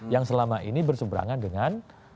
yang selama ini berseberangan dengan